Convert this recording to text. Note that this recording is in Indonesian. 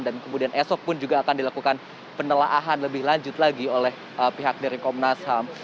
dan kemudian esok pun juga akan dilakukan penelaahan lebih lanjut lagi oleh pihak dari komnas ham